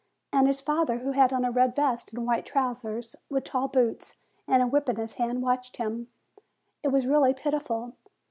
And his father, who had on a red vest and white trousers, with tall boots, and a whip in his hand, watched him. It was really pitiful.